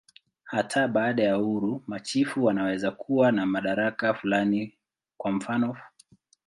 Hata baada ya uhuru, machifu wanaweza kuwa na madaraka fulani, kwa mfanof.